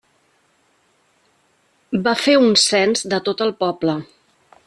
Va fer un cens de tot el poble.